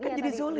kan jadi zolim